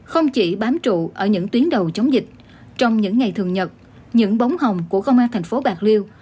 không chỉ bám trụ ở những tuyến đầu chống dịch trong những ngày thường nhật những bóng hồng của công an thành phố bạc liêu